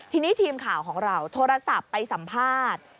ทีนี้ทีมข่าวของเราโทรศัพท์ไปสัมภาษณ์